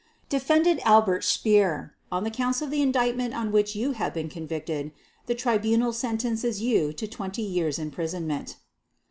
"Defendant Albert Speer, on the Counts of the Indictment on which you have been convicted, the Tribunal sentences you to 20 years' imprisonment.